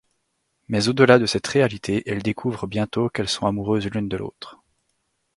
Mais au-delà de cette réalité, elles découvrent bientôt qu'elles sont amoureuses l'une de l'autre.